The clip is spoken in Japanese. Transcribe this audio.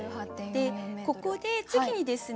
ここで次にですね